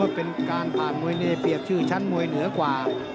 เห็นว่ามีการผ่านมวยนี้กราบชื่อชั้นมวยเหนือกว่า